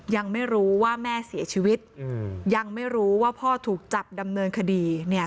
ยังไม่รู้ว่าแม่เสียชีวิตยังไม่รู้ว่าพ่อถูกจับดำเนินคดีเนี่ย